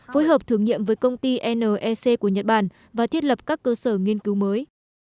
phối hợp thử nghiệm với công ty nec của nhật bản và thiết lập các cơ sở nghiên cứu mới